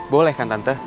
boleh kan tante